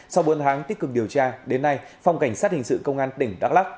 sau bốn tháng tích cực điều tra đến nay phòng cảnh sát hình sự công an tỉnh đắk lắc